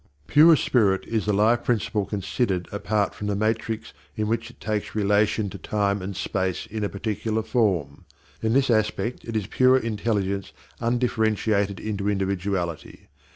Pure spirit is the Life principle considered apart from the matrix in which it takes relation to time and space in a particular form. In this aspect it is pure intelligence undifferentiated into individuality.